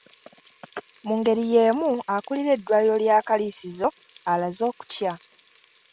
Mu ngeri y’emu, akulira eddwaliro lya Kaliisizo alaze okutya.